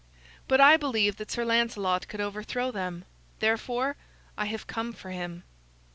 But I believe that Sir Lancelot could overthrow them; therefore, I have come for him."